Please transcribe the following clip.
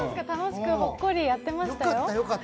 楽しく、ほっこりやってましたよ。